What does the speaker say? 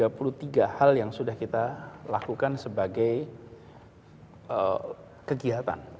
ada tiga puluh tiga hal yang sudah kita lakukan sebagai kegiatan